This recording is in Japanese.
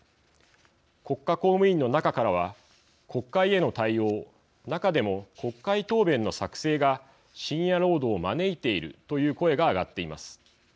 国家公務員の中からは国会への対応、中でも国会答弁の作成が深夜労働を招いているという声が上がっています。